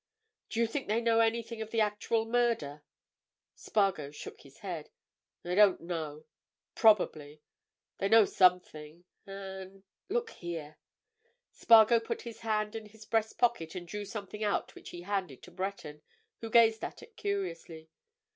"Do you think they know anything of the actual murder?" Spargo shook his head. "I don't know. Probably. They know something. And—look here!" Spargo put his hand in his breast pocket and drew something out which he handed to Breton, who gazed at it curiously.